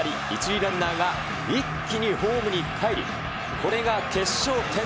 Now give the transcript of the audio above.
１塁ランナーが一気にホームにかえり、これが決勝点。